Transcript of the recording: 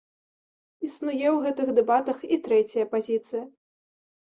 Існуе ў гэтых дэбатах і трэцяя пазіцыя.